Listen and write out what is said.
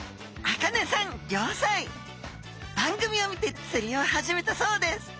番組を見てつりを始めたそうです。